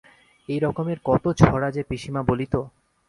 এই রকমের কত ছড়া যে পিসিমা বলিত!